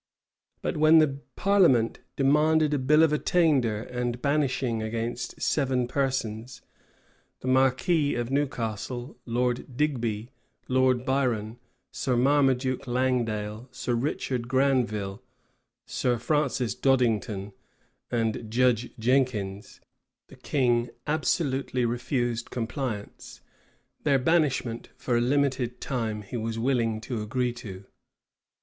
61 But when the parliament demanded a bill of attainder and banishment against seven persons, the marquis of Newcastle, Lord Digby, Lord Biron, Sir Marmaduke Langdale, Sir Richard Granville, Sir Francis Doddington, and Judge Jenkins, the king absolutely refused compliance; their banishment for a limited time he was willing to agree to.